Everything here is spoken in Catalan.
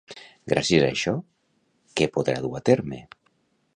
Gràcies a això, què podrà dur a terme?